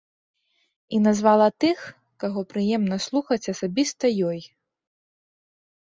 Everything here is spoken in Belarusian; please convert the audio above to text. І назвала тых, каго прыемна слухаць асабіста ёй.